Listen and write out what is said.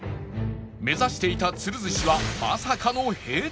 目指していた都留寿司はまさかの閉店